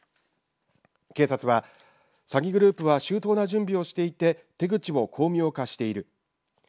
警察は詐欺グループは周到な準備をしていて手口も巧妙化している。